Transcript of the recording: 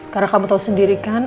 karena kamu tau sendiri kan